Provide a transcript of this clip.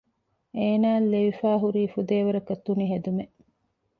އޭނާއަށް ލެވިފައި ހުރީ ފުދޭވަރަކަށް ތުނި ހެދުމެއް